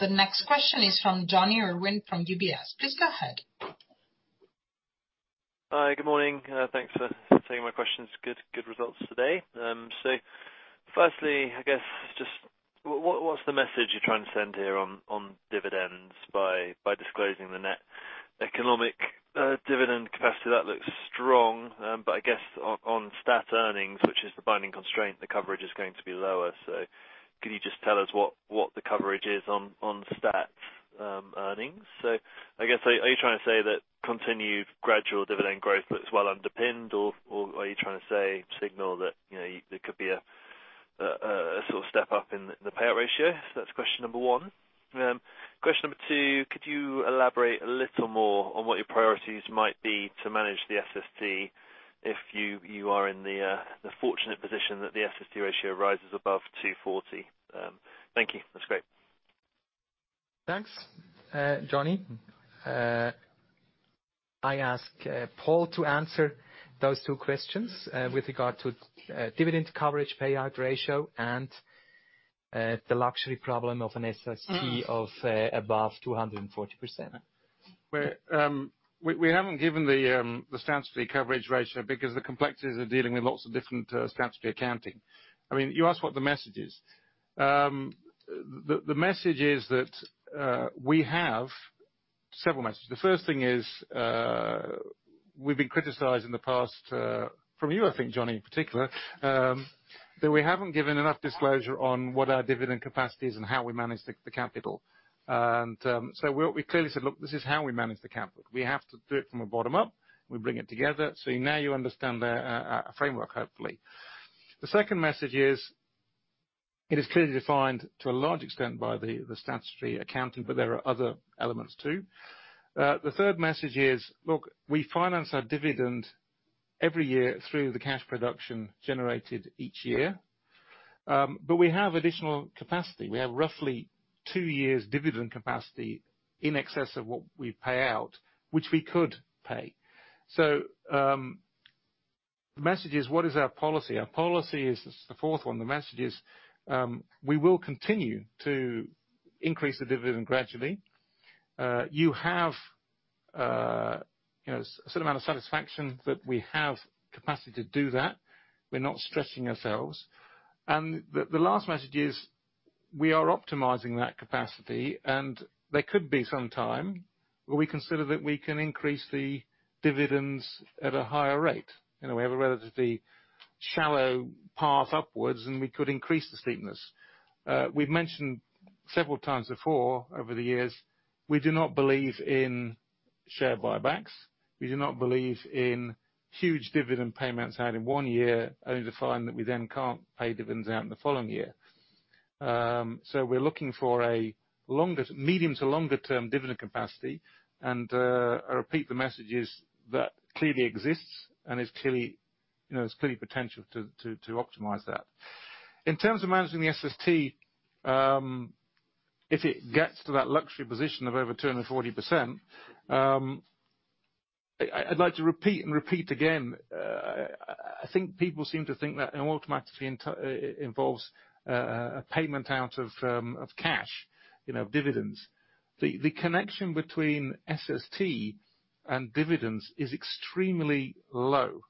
Speaker 1: The next question is from Jonny Irwin from UBS. Please go ahead.
Speaker 5: Hi. Good morning. Thanks for taking my questions. Good results today. Firstly, I guess just what's the message you're trying to send here on dividends by disclosing the net economic dividend capacity? That looks strong. I guess on stat earnings, which is the binding constraint, the coverage is going to be lower. Can you just tell us what the coverage is on stat earnings? I guess, are you trying to say that continued gradual dividend growth looks well underpinned, or are you trying to signal that there could be a sort of step up in the payout ratio? That's question number one. Question number two, could you elaborate a little more on what your priorities might be to manage the SST if you are in the fortunate position that the SST ratio rises above 240? Thank you. That's great.
Speaker 2: Thanks, Jonny. I ask Paul to answer those two questions with regard to dividend coverage, payout ratio, and the luxury problem of an SST of above 240%.
Speaker 3: We haven't given the statutory coverage ratio because the complexities are dealing with lots of different statutory accounting. You asked what the message is. The message is that we have several messages. The first thing is, we've been criticized in the past, from you, I think, Jonny, in particular, that we haven't given enough disclosure on what our dividend capacity is and how we manage the capital. We clearly said, look, this is how we manage the capital. We have to do it from a bottom up. We bring it together. Now you understand our framework, hopefully. The second message is, it is clearly defined to a large extent by the statutory accounting. There are other elements too. The third message is, look, we finance our dividend every year through the cash production generated each year. We have additional capacity. We have roughly two years dividend capacity in excess of what we pay out, which we could pay. The message is what is our policy? Our policy is, this is the fourth one, the message is, we will continue to increase the dividend gradually. You have a certain amount of satisfaction that we have capacity to do that. We're not stressing ourselves. The last message is, we are optimizing that capacity, and there could be some time where we consider that we can increase the dividends at a higher rate. We have a relatively shallow path upwards, and we could increase the steepness. We've mentioned several times before over the years, we do not believe in share buybacks. We do not believe in huge dividend payments out in one year only to find that we then can't pay dividends out in the following year. We're looking for a medium to longer term dividend capacity. I repeat the message is, that clearly exists and there's clearly potential to optimize that. In terms of managing the SST, if it gets to that luxury position of over 240%, I'd like to repeat and repeat again, I think people seem to think that it automatically involves a payment out of cash, of dividends. The connection between SST and dividends is extremely low.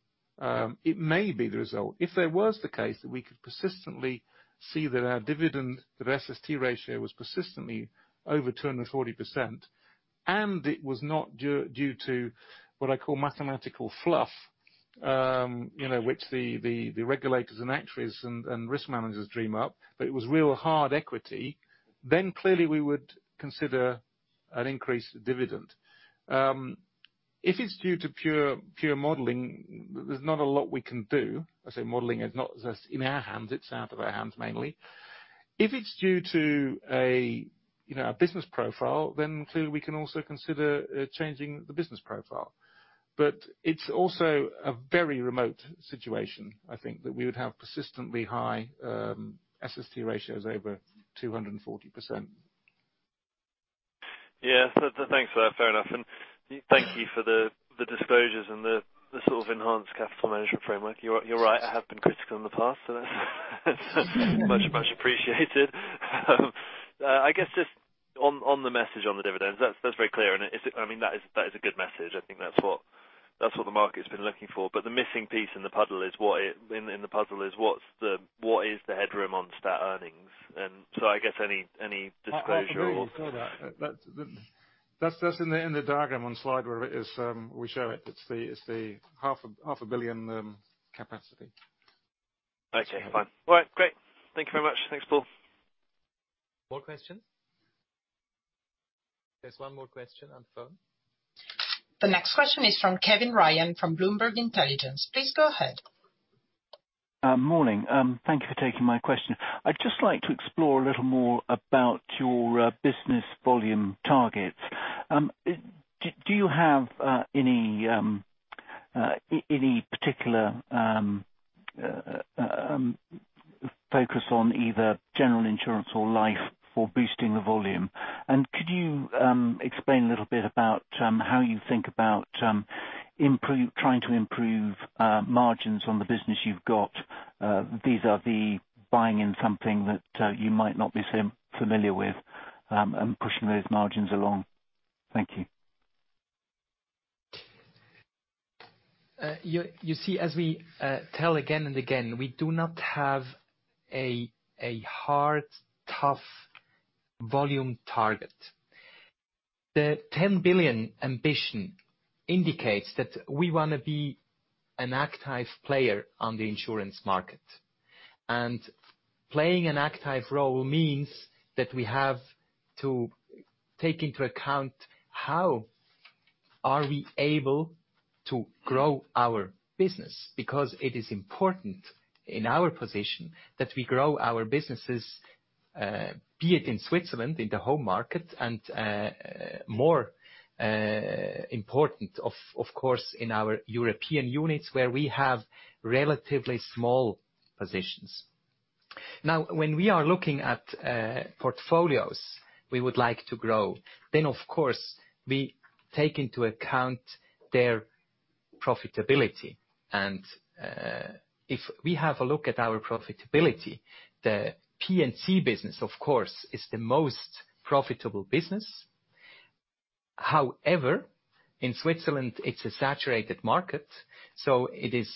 Speaker 3: It may be the result. If there was the case that we could persistently see that our dividend, that our SST ratio was persistently over 240%, and it was not due to what I call mathematical fluff, which the regulators and actuaries and risk managers dream up. It was real hard equity, then clearly we would consider an increased dividend. If it's due to pure modeling, there's not a lot we can do. In modeling, it's not just in our hands, it's out of our hands mainly. If it's due to our business profile, clearly we can also consider changing the business profile. It's also a very remote situation, I think, that we would have persistently high SST ratios over 240%.
Speaker 5: Yeah. Thanks for that. Fair enough. Thank you for the disclosures and the sort of enhanced capital management framework. You're right, I have been critical in the past, much appreciated. I guess, just on the message on the dividends, that's very clear, that is a good message. I think that's what the market's been looking for. The missing piece in the puzzle is what is the headroom on stat earnings? I guess any disclosure or-
Speaker 3: I agree with all that. That's in the diagram on the slide where we show it. It's the CHF half a billion capacity.
Speaker 5: Okay, fine. All right, great. Thank you very much. Thanks, Paul.
Speaker 2: More questions? There's one more question on the phone.
Speaker 1: The next question is from Kevin Ryan from Bloomberg Intelligence. Please go ahead.
Speaker 6: Morning. Thank you for taking my question. I'd just like to explore a little more about your business volume targets. Do you have any particular focus on either general insurance or life for boosting the volume? Could you explain a little bit about how you think about trying to improve margins on the business you've got vis-à-vis buying in something that you might not be familiar with, and pushing those margins along? Thank you.
Speaker 2: You see, as we tell again and again, we do not have a hard, tough volume target. The 10 billion ambition indicates that we want to be an active player on the insurance market. Playing an active role means that we have to take into account how are we able to grow our business, because it is important in our position that we grow our businesses, be it in Switzerland, in the home market, and more important, of course, in our European units, where we have relatively small positions. When we are looking at portfolios we would like to grow, then of course, we take into account their profitability. If we have a look at our profitability, the P&C business, of course, is the most profitable business. However, in Switzerland, it's a saturated market, so it is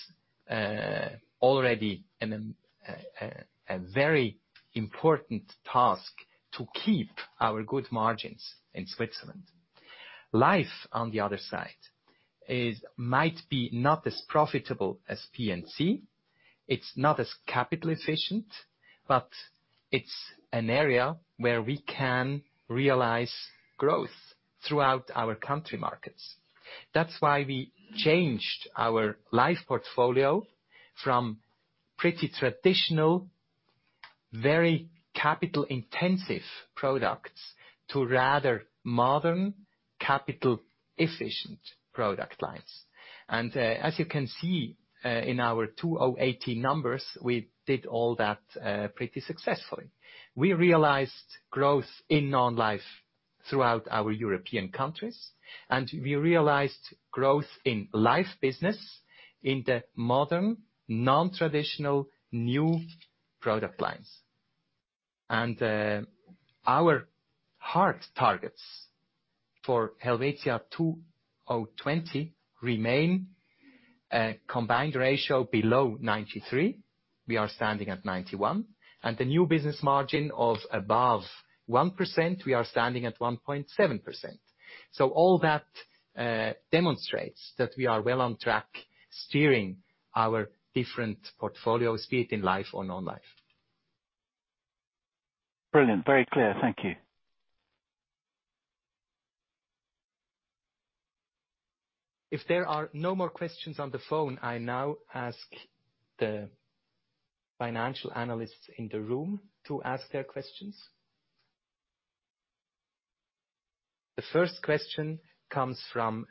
Speaker 2: already a very important task to keep our good margins in Switzerland. Life, on the other side, might be not as profitable as P&C. It's not as capital efficient, but it's an area where we can realize growth throughout our country markets. That's why we changed our life portfolio from pretty traditional, very capital-intensive products to rather modern, capital-efficient product lines. As you can see in our 2018 numbers, we did all that pretty successfully. We realized growth in non-life throughout our European countries, and we realized growth in life business in the modern, non-traditional new product lines. Our hard targets for helvetia 20.20 remain a combined ratio below 93. We are standing at 91. The new business margin of above 1%, we are standing at 1.7%. All that demonstrates that we are well on track, steering our different portfolios, be it in life or non-life.
Speaker 6: Brilliant. Very clear. Thank you.
Speaker 2: If there are no more questions on the phone, I now ask the financial analysts in the room to ask their questions. The first question comes from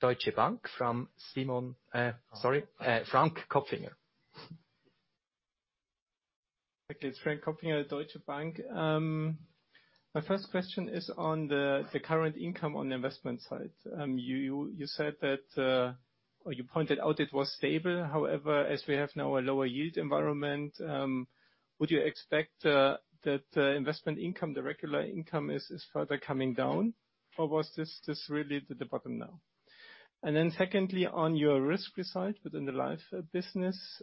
Speaker 2: Deutsche Bank, from Frank Kopfinger.
Speaker 7: Okay. It is Frank Kopfinger, Deutsche Bank. My first question is on the current income on the investment side. You said that or you pointed out it was stable. However, as we have now a lower yield environment, would you expect that the investment income, the regular income is further coming down? Or was this really the bottom now? Secondly, on your risk result within the life business,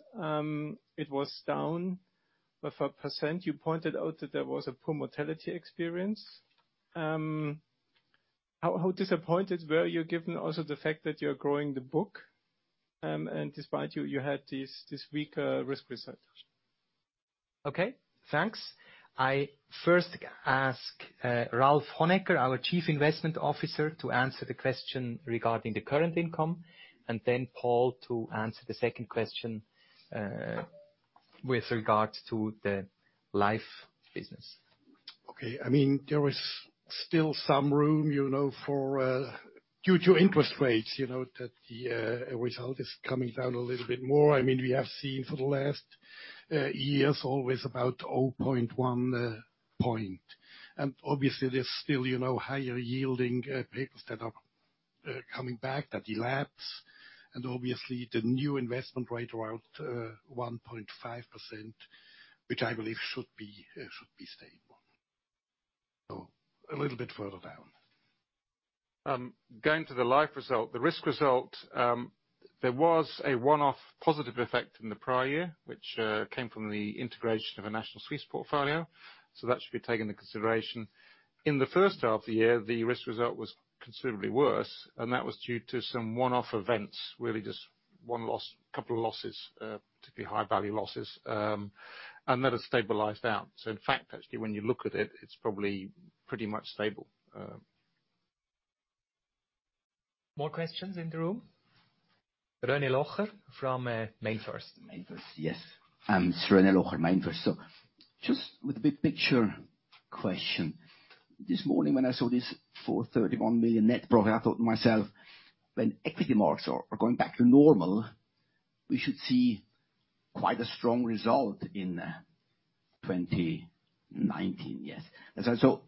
Speaker 7: it was down with 5%. You pointed out that there was a poor mortality experience. How disappointed were you given also the fact that you are growing the book, and despite you had this weaker risk result?
Speaker 2: Okay, thanks. I first ask Ralph Honegger, our Chief Investment Officer, to answer the question regarding the current income, and then Paul to answer the second question with regards to the life business.
Speaker 8: Okay. There is still some room due to interest rates, that the result is coming down a little bit more. We have seen for the last years always about 0.1 point. Obviously, there is still higher yielding papers that are coming back that elapsed. Obviously, the new investment rate around 1.5%, which I believe should be stable. A little bit further down.
Speaker 3: Going to the life result, the risk result, there was a one-off positive effect in the prior year, which came from the integration of a Nationale Suisse portfolio. That should be taken into consideration. In the first half of the year, the risk result was considerably worse, and that was due to some one-off events, really just one loss, a couple of losses, particularly high value losses, and that has stabilized out. In fact, actually, when you look at it is probably pretty much stable.
Speaker 2: More questions in the room? René Locher from Mainfirst.
Speaker 9: Mainfirst, yes. It's René Locher, Mainfirst. Just with a big picture question. This morning when I saw this 431 million net profit, I thought to myself, when equity markets are going back to normal, we should see quite a strong result in 2019. Yes.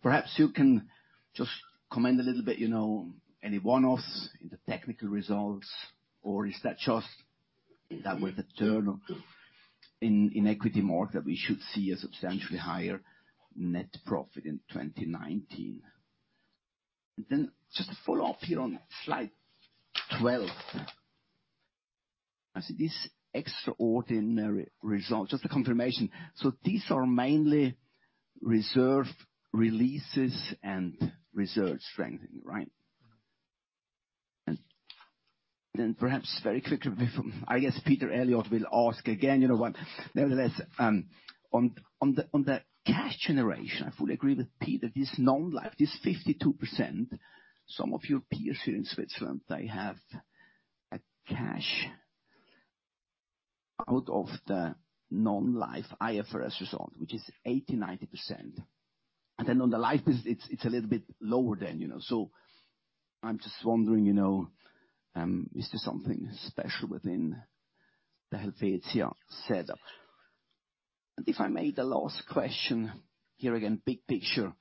Speaker 9: Perhaps you can just comment a little bit, any one-offs in the technical results, or is that just that with the turn in equity market, we should see a substantially higher net profit in 2019? Just to follow up here on slide 12. I see this extraordinary result. Just a confirmation. These are mainly reserve releases and reserve strengthening, right? Perhaps very quickly, I guess Peter Elliott will ask again, nevertheless, on the cash generation, I fully agree with Peter, this non-life, this 52%, some of your peers here in Switzerland, they have a cash out of the non-life IFRS result, which is 80%-90%. On the life business, it's a little bit lower than. I'm just wondering, is there something special within the Helvetia setup? If I may, the last question, here again, big picture.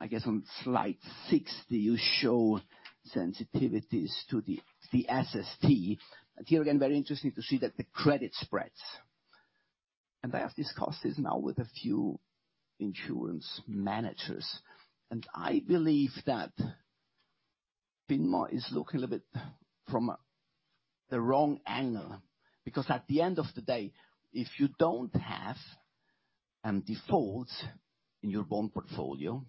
Speaker 9: I guess on slide 60, you show sensitivities to the SST. Here again, very interesting to see that the credit spreads
Speaker 3: I have discussed this now with a few insurance managers, I believe that FINMA is looking a little bit from the wrong angle, because at the end of the day, if you don't have defaults in your bond portfolio,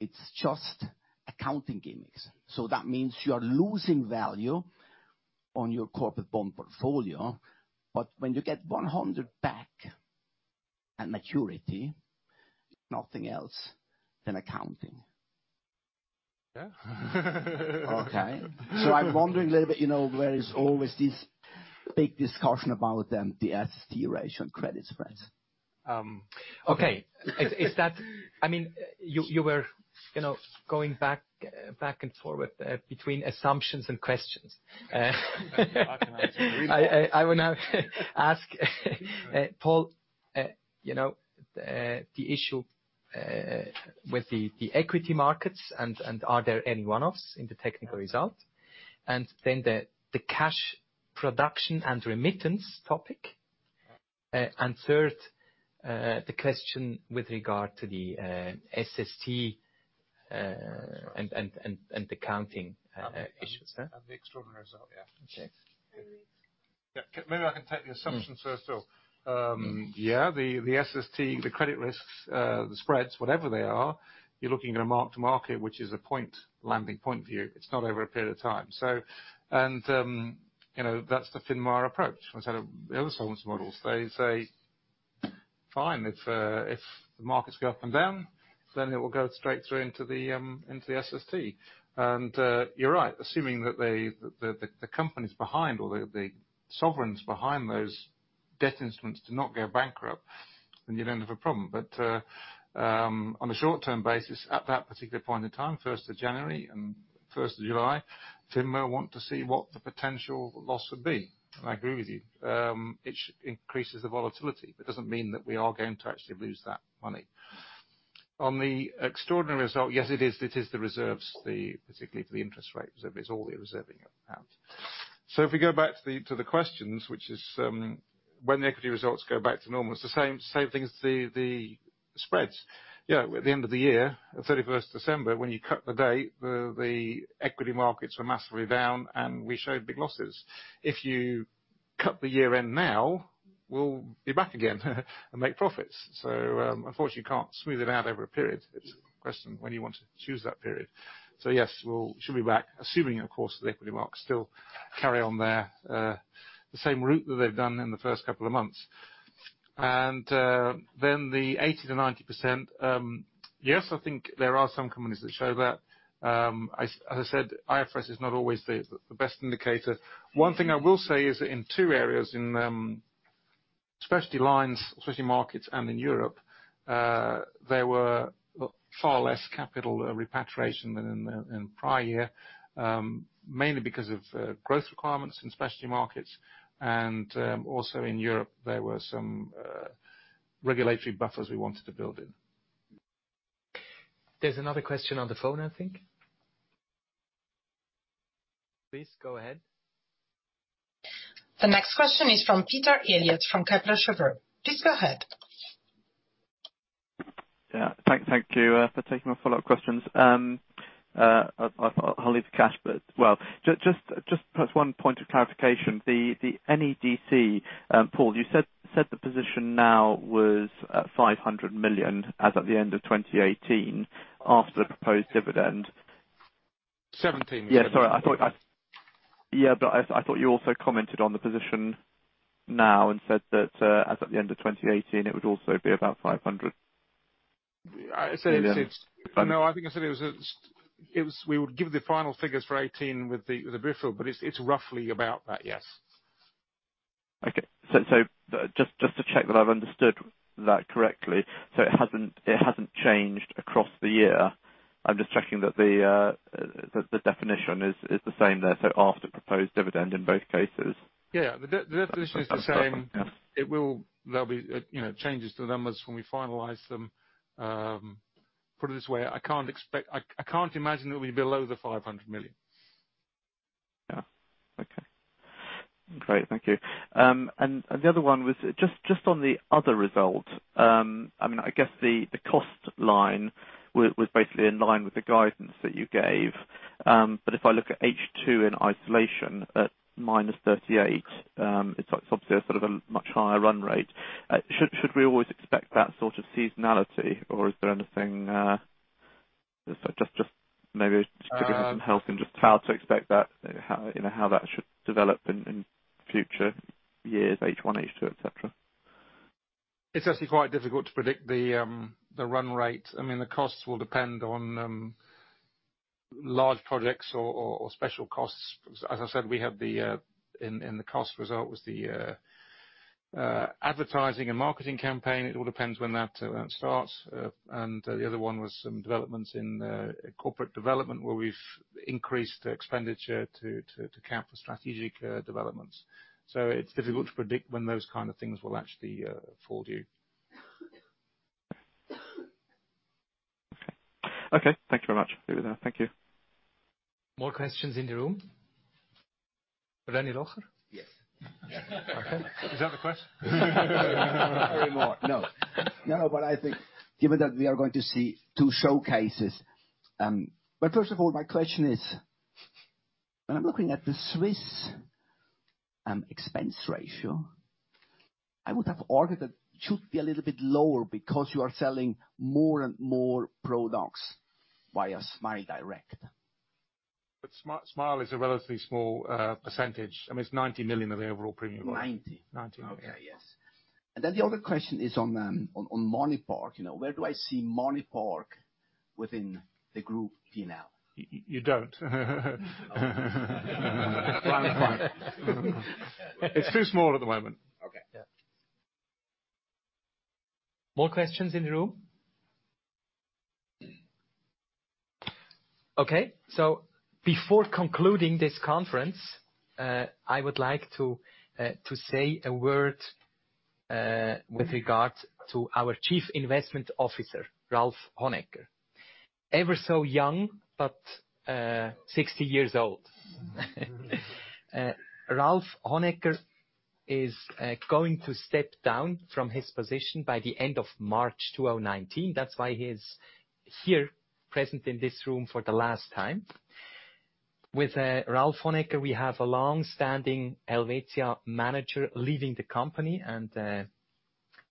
Speaker 3: it's just accounting gimmicks. That means you are losing value on your corporate bond portfolio. When you get 100 back at maturity, nothing else than accounting.
Speaker 2: Yeah.
Speaker 9: Okay. I'm wondering a little bit, where is always this big discussion about the SST ratio and credit spreads.
Speaker 2: You were going back and forward between assumptions and questions.
Speaker 3: I can answer either.
Speaker 2: I will now ask Paul, the issue with the equity markets and are there any one-offs in the technical result? The cash production and remittance topic.
Speaker 3: Yeah.
Speaker 2: Third, the question with regard to the SST.
Speaker 3: That's right.
Speaker 2: The accounting issues. Yeah.
Speaker 3: The extraordinary result. Yeah.
Speaker 2: Okay. Yeah. Maybe I can take the assumption first, though.
Speaker 3: Yeah. The SST, the credit risks, the spreads, whatever they are, you're looking at a mark to market, which is a landing point view. It's not over a period of time. That's the FINMA approach. Instead of the other solvency models, they say, "Fine, if the markets go up and down, then it will go straight through into the SST." You're right, assuming that the companies behind or the solvency behind those debt instruments do not go bankrupt, then you don't have a problem. But on a short-term basis, at that particular point in time, 1st of January and 1st of July, FINMA want to see what the potential loss would be. I agree with you. It increases the volatility, but doesn't mean that we are going to actually lose that money. On the extraordinary result, yes, it's the reserves, particularly for the interest rate reserve, it's all the reserving amount. If we go back to the questions, which is when the equity results go back to normal, it's the same thing as the spreads. Yeah, at the end of the year, at 31st December, when you cut the date, the equity markets were massively down, and we showed big losses. If you cut the year-end now, we'll be back again and make profits. Unfortunately, you can't smooth it out over a period. It's a question of when you want to choose that period. Yes, we should be back, assuming, of course, the equity markets still carry on the same route that they've done in the first couple of months. Then the 80%-90%, yes, I think there are some companies that show that. As I said, IFRS is not always the best indicator. One thing I will say is that in two areas, in specialty lines, specialty markets, and in Europe, there were far less capital repatriation than in the prior year, mainly because of growth requirements in specialty markets. Also in Europe, there were some regulatory buffers we wanted to build in.
Speaker 2: There's another question on the phone, I think. Please go ahead.
Speaker 1: The next question is from Peter Elliott from Kepler Cheuvreux. Please go ahead.
Speaker 4: Thank you for taking my follow-up questions. I'll leave the cash bit. Well, just perhaps one point of clarification. The NEDC, Paul, you said the position now was 500 million as at the end of 2018, after the proposed dividend.
Speaker 3: Seventeen.
Speaker 4: Sorry. I thought you also commented on the position now and said that as at the end of 2018, it would also be about 500 million.
Speaker 3: No, I think I said we would give the final figures for 2018 with the briefing, but it's roughly about that, yes.
Speaker 4: Okay. Just to check that I've understood that correctly. It hasn't changed across the year. I'm just checking that the definition is the same there. After proposed dividend in both cases.
Speaker 3: Yeah. The definition is the same.
Speaker 4: Okay.
Speaker 3: There'll be changes to the numbers when we finalize them. Put it this way, I can't imagine it will be below the 500 million.
Speaker 4: Yeah. Okay. Great. Thank you. The other one was just on the other result. I guess the cost line was basically in line with the guidance that you gave. If I look at H2 in isolation at -38, it's obviously a sort of a much higher run rate. Should we always expect that sort of seasonality? Is there anything, just maybe to give me some help in just how to expect that, how that should develop in future years, H1, H2, et cetera?
Speaker 3: It's actually quite difficult to predict the run rate. The costs will depend on large projects or special costs. As I said, we have in the cost result was the advertising and marketing campaign. It all depends when that starts. The other one was some developments in corporate development, where we've increased expenditure to account for strategic developments. It's difficult to predict when those kind of things will actually fall due.
Speaker 4: Okay. Thank you very much. [inaudible] Thank you.
Speaker 2: More questions in the room? René Locher?
Speaker 9: Yes.
Speaker 2: Is that the question?
Speaker 9: I think given that we are going to see two showcases. First of all, my question is, when I'm looking at the Swiss expense ratio, I would have argued that should be a little bit lower because you are selling more and more products via Smile.
Speaker 2: Smile is a relatively small percentage. It's 90 million of the overall premium. 90? 90.
Speaker 9: The other question is on MoneyPark. Where do I see MoneyPark within the group P&L?
Speaker 2: You don't. It's too small at the moment.
Speaker 9: Okay.
Speaker 2: More questions in the room? Okay. Before concluding this conference, I would like to say a word with regards to our Chief Investment Officer, Ralph Honegger. Ever so young, but 60 years old. Ralph Honegger is going to step down from his position by the end of March 2019. That's why he is here present in this room for the last time. With Ralph Honegger, we have a long-standing Helvetia manager leaving the company and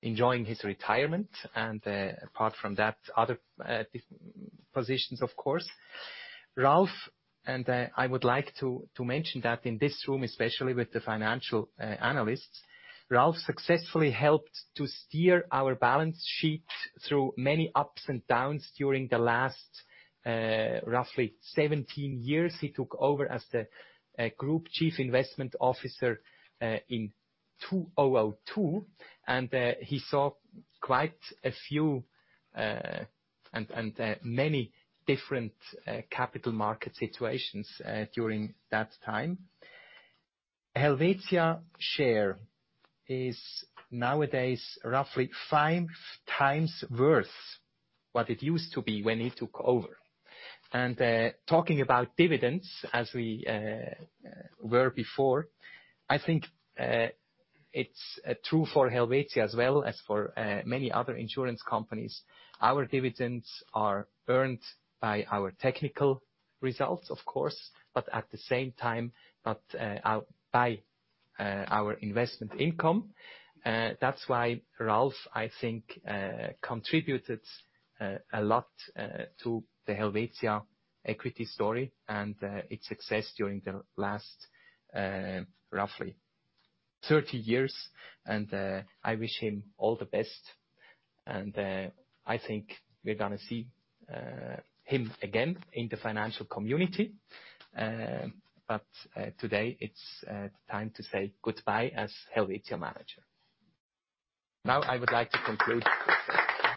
Speaker 2: enjoying his retirement, and apart from that, other positions, of course. Ralph, I would like to mention that in this room, especially with the financial analysts, Ralph successfully helped to steer our balance sheet through many ups and downs during the last roughly 17 years. He took over as the Group Chief Investment Officer in 2002. He saw quite a few and many different capital market situations during that time. Helvetia's share is nowadays roughly five times worse what it used to be when he took over. Talking about dividends, as we were before, I think it's true for Helvetia as well as for many other insurance companies. Our dividends are earned by our technical results, of course, but at the same time, by our investment income. That's why Ralph, I think, contributed a lot to the Helvetia equity story and its success during the last roughly 30 years. I wish him all the best. I think we're going to see him again in the financial community. Today it's time to say goodbye as Helvetia manager. I would like to conclude.